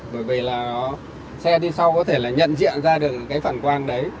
bởi vì là nó xe đi sau có thể là nhận diện ra được cái phản quang đấy